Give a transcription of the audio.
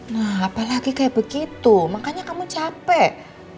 nah apalagi kayak begitu makanya kamu capek